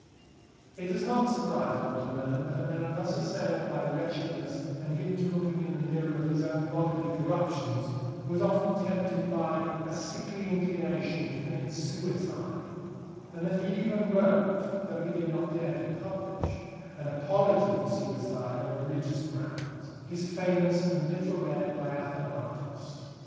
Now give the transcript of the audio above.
It does not surprise one to learn that a man thus assailed by wretchedness and given to looking in the mirror of his own bodily corruptions was often tempted, by "a sickly inclination," to commit suicide, and that he even wrote, though he did not dare to publish, an apology for suicide on religious grounds, his famous and little read Biathanatos.